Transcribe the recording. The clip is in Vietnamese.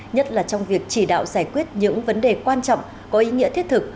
nhất là trong việc chỉ đạo giải quyết những vấn đề quan trọng có ý nghĩa thiết thực